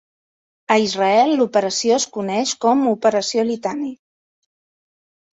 A Israel l'operació es coneix com Operació Litani.